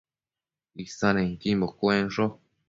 Isannequimbo cuensho